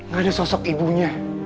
gak ada sosok ibunya